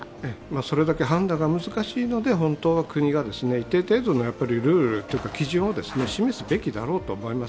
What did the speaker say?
それだけ判断が難しいので本当は国が一定程度のルールというか基準を示すべきだろうと思います。